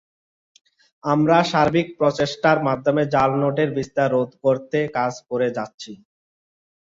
আমরা সার্বিক প্রচেষ্টার মাধ্যমে জাল নোটের বিস্তার রোধ করতে কাজ করে যাচ্ছি।